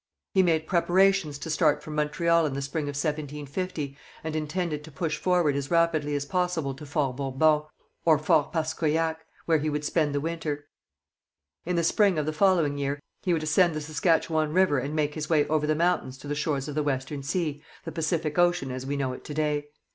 He made preparations to start from Montreal in the spring of 1750, and intended to push forward as rapidly as possible to Fort Bourbon, or Fort Paskoyac, where he would spend the winter. In the spring of the following year he would ascend the Saskatchewan river and make his way over the mountains to the shores of the Western Sea, the Pacific ocean as we know it to day.